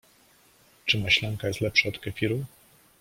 Czy maślanka jest lepsza od kefiru?